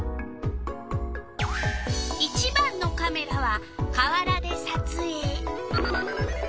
１番のカメラは川原でさつえい。